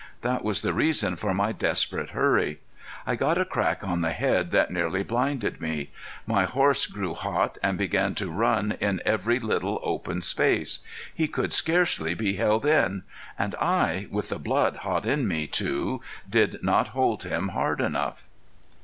That was the reason for my desperate hurry. I got a crack on the head that nearly blinded me. My horse grew hot and began to run in every little open space. He could scarcely be held in. And I, with the blood hot in me too, did not hold him hard enough.